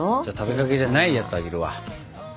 じゃあ食べかけじゃないやつあげるわ。